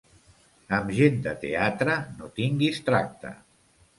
Amb gent de teatre no tinguis tracte.